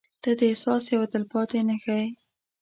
• ته د احساس یوه تلپاتې نښه یې.